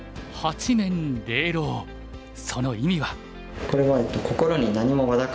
その意味は。